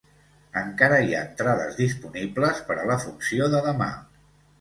Encara hi ha entrades disponibles per a la funció de demà.